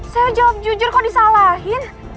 saya jawab jujur kok disalahin